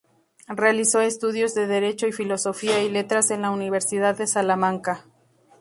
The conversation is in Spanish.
Realizó estudios de Derecho y Filosofía y Letras en la Universidad de Salamanca.